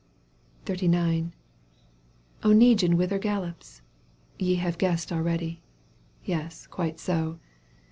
XXXIX. Oneguine whither gallops ? Ye Have guessed already. Yes, quite so